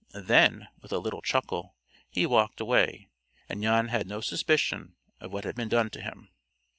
Then, with a little chuckle, he walked away, and Jan had no suspicion of what had been done to him.